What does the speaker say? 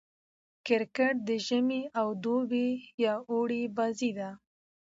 کرکټ د ژمي او دوبي يا اوړي بازي ده.